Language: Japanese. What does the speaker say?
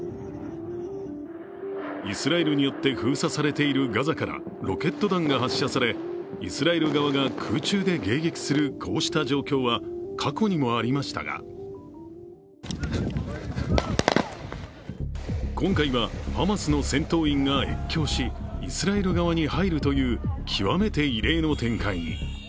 イスラエルによって封鎖されているガザからロケット弾が発射されイスラエル側が空中で迎撃するこうした状況は過去にもありましたが今回はハマスの戦闘員が越境し、イスラエル側に入るという極めて異例の展開に。